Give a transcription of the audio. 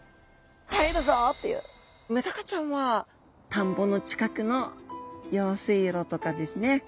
メダカちゃんは田んぼの近くの用水路とかですね